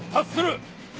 達する。